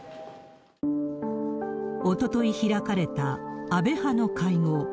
おととい開かれた安倍派の会合。